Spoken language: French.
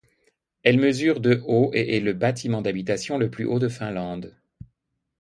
Elle mesure de haut et est le bâtiment d'habitation le plus haut de Finlande.